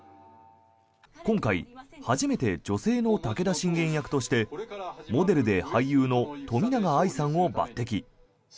今回初めて女性の武田信玄役としてモデルで俳優の冨永愛さんを抜てき。